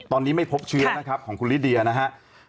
ตอนนี้ไม่พบเชื้อนะครับของคุณลิเดียนะครับ